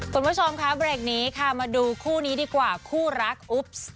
คุณผู้ชมค่ะเบรกนี้ค่ะมาดูคู่นี้ดีกว่าคู่รักอุ๊บ